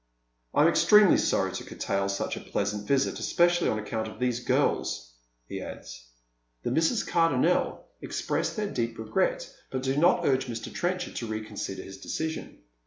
" I am extremely sorry to curtail such a pleasant visit, espe cially on account of these girls," he adds. The Misses Cardonnel express their deep regret, but do not urge Mr. Trenchard to reconsider his decision.